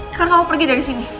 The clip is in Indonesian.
sekarang kamu pergi dari sini